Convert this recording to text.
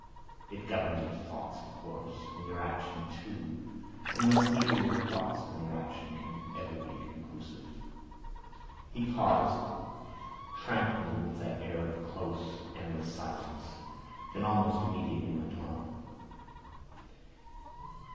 It governs your thought, of course, and your action too, and thus neither your thought nor your action can ever be conclusive." He paused, tranquil, with that air of close, endless silence, then almost immediately went on.